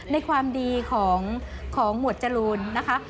ในความดีของหมวดจรูนนะคะ